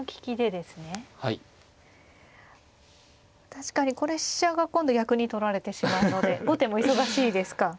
確かにこれ飛車が今度逆に取られてしまうので後手も忙しいですか。